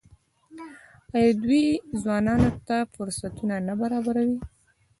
آیا دوی ځوانانو ته فرصتونه نه برابروي؟